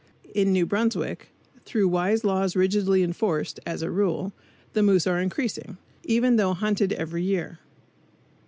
In New Brunswick, through wise laws rigidly enforced, (as a rule) the moose are increasing, even though hunted every year.